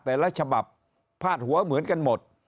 แต่ละฉบับพาดหัวเหมือนกันหมด